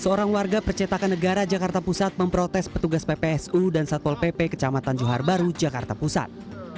seorang warga percetakan negara jakarta pusat memprotes petugas ppsu dan satpol pp kecamatan johar baru jakarta pusat